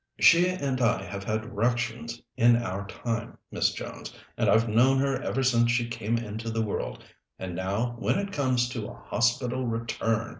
She and I have had ructions in our time, Miss Jones, and I've known her ever since she came into the world. And now, when it comes to a Hospital Return